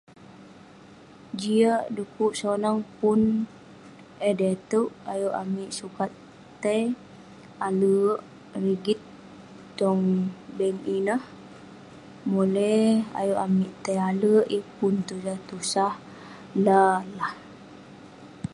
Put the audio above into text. Jiak dekuk sonang pun eh dai itouk, ayuk amik sukat tai ale' rigit tong bank ineh. Moley ayuk amik tai ale', yeng pun tusah tusah la lah.